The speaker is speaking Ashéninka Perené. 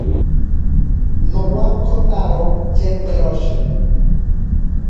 Nowankotaro chenteroshi.